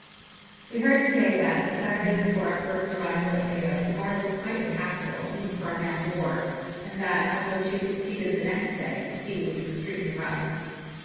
We heard to day that, the Saturday before our first arrival at Rio, the bar was quite impassable, even for a man of war, and that, although she succeeded the next day, the sea was extremely rough.